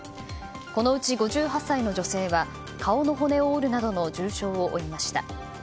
このうち５８歳の女性は顔の骨を折るなどの重傷を負いました。